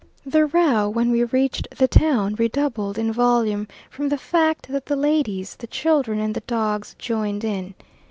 The row when we reached the town redoubled in volume from the fact that the ladies, the children, and the dogs joined in.